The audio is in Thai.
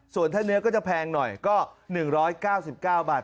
ส่วนถ้าเนื้อก็จะแพงหน่อยก็๑๙๙บาท